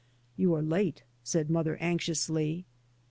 " You are late," said mother anxiously.